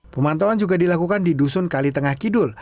pemantauan juga dilakukan di dusun kalitengah kidul